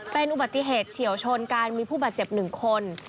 เป็นอุบัติเหตุเฉียวชนการมีผู้บาดเจ็บ๑คน